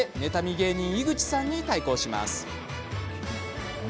芸人、井口さんに対抗します。